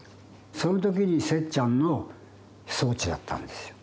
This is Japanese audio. その時にせっちゃんの装置だったんですよ。